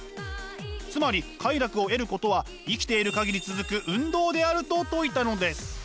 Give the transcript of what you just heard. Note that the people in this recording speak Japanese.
つまり快楽を得ることは生きている限り続く運動であると説いたのです。